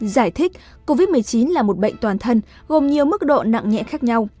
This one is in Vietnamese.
giải thích covid một mươi chín là một bệnh toàn thân gồm nhiều mức độ nặng nhẹ khác nhau